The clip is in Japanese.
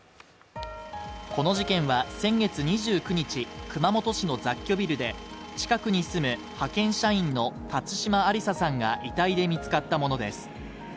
この事件は先月２９日、熊本市の雑居ビルで近くに住む派遣社員の辰島ありささんが遺体で見つかったものです。